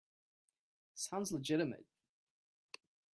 Sounds legitimate.